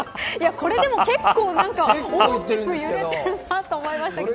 これでも結構大きく揺れてるなと思いますよ。